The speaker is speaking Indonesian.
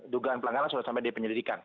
dugaan pelanggaran sudah sampai di penyelidikan